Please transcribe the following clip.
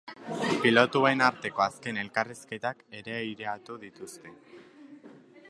Pilotuen arteko azken elkarrizketak ere aireratu dituzte.